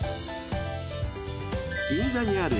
［銀座にある］